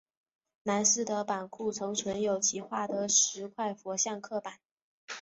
南寺的版库曾存有其画的十块佛像刻版。